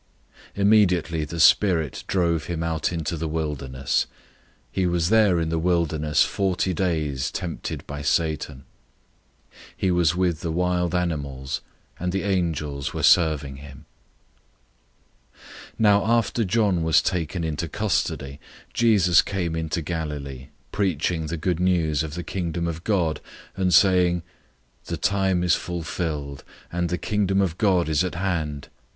001:012 Immediately the Spirit drove him out into the wilderness. 001:013 He was there in the wilderness forty days tempted by Satan. He was with the wild animals; and the angels were serving him. 001:014 Now after John was taken into custody, Jesus came into Galilee, preaching the Good News of the Kingdom of God, 001:015 and saying, "The time is fulfilled, and the Kingdom of God is at hand!